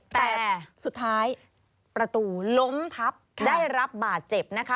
แต่สุดท้ายประตูล้มทับได้รับบาดเจ็บนะคะ